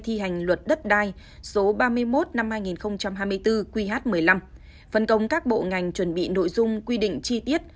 thi hành luật đất đai số ba mươi một năm hai nghìn hai mươi bốn qh một mươi năm phân công các bộ ngành chuẩn bị nội dung quy định chi tiết